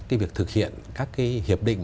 cái việc thực hiện các hiệp định